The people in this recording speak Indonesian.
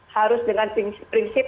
harus dengan prinsip